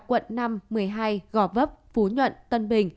quận năm một mươi hai gò vấp phú nhuận tân bình